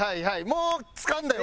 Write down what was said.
もうつかんだよ